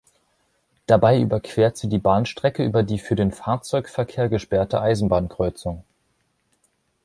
Dabei überquert sie die Bahnstrecke über die für den Fahrzeugverkehr gesperrte Eisenbahnkreuzung.